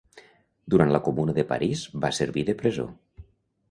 Durant la Comuna de París va servir de presó.